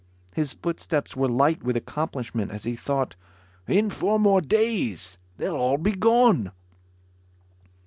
His footsteps were light with accomplishment as he thought, "In four more days, they'll all be gone."